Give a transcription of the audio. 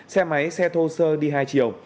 xe máy xe thô sơ đi hai chiều